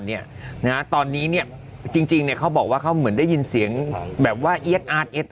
เนี่ยนะฮะตอนนี้เนี่ยจริงเนี่ยเขาบอกว่าเขาเหมือนได้ยินเสียงแบบว่าเอี๊ยดอาร์ดเอ็ด